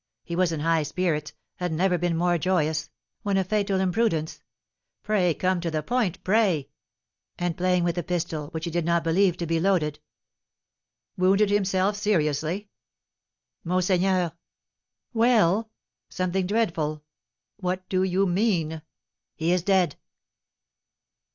He was in high spirits, had never been more joyous, when a fatal imprudence " "Pray come to the point pray!" "And playing with a pistol, which he did not believe to be loaded " "Wounded himself seriously." "Monseigneur!" "Well?" "Something dreadful!" "What do you mean?" "He is dead!"